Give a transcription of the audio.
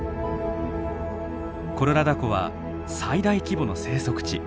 コロラダ湖は最大規模の生息地。